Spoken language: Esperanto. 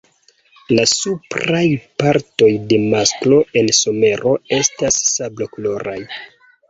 La supraj partoj de masklo en somero estas sablokoloraj.